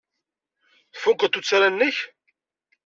Tfukeḍ tuttra-nnek?